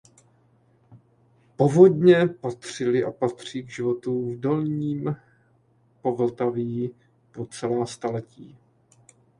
Povodně patřily a patří k životu v Dolním Povltaví po celá staletí.